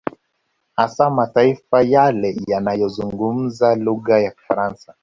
Hasa mataifa yale yanayozungumza lugha ya Kifaransa